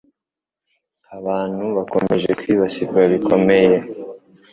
Abantu bakomeje kwibasirwa bikomeye